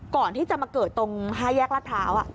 ก่อนที่จะเกิดตรงห้าแยกรัดพร้าว